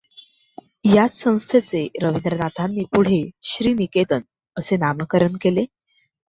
याच संस्थेचे रवीन्द्रनाथांनी पुढे श्री निकेतन असे नामकरण केले.